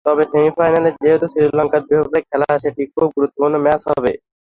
তবে সেমিফাইনালে যেহেতু শ্রীলঙ্কার বিপক্ষে খেলা, সেটি খুব গুরুত্বপূর্ণ ম্যাচ হবে।